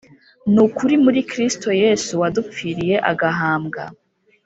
Ni ukuri muri Kristo Yesu wadupfiriye agahambwa